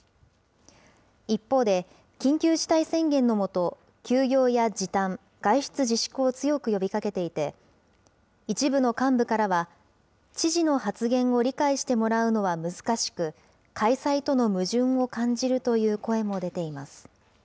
一方で、緊急事態宣言の下、休業や時短、外出自粛を強く呼びかけていて、一部の幹部からは、知事の発言を理解してもらうのは難しく、開催との矛盾を感じるという声も出ています。